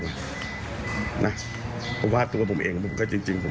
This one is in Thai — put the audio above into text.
ก็ไม่ได้รู้จักทั้งสองฝ่ายด้วยเหรอครับใช่ถูกต้อน